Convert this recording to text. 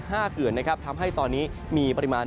เกือนนะครับทำให้ตอนนี้มีปริมาณ